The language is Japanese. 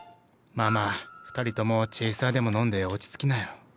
まあまあ２人ともチェイサーでも飲んで落ち着きなよ。